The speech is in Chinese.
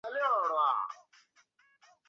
它是菲律宾最有名的私立大学之一。